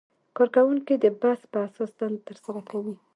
کارکوونکي د بست په اساس دنده ترسره کوي.